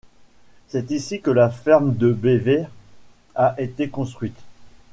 C'est ici que la ferme de Bever a été construite.